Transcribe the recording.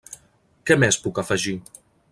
Què més puc afegir?